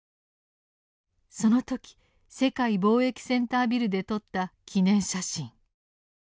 その時世界貿易センタービルで撮った記念写真。